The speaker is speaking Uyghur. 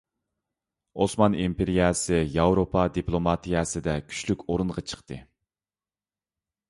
ئوسمان ئىمپېرىيەسى ياۋروپا دىپلوماتىيەسىدە كۈچلۈك ئورۇنغا چىقتى.